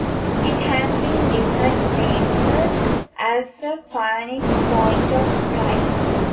It has been designated as a Phoenix Point of Pride.